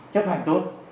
chấp hành tốt